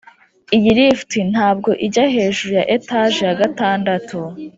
iyi lift ntabwo ijya hejuru ya etage ya gatandatu.